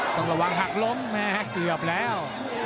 ต้องระวังหักล้มแม่เกือบแล้ว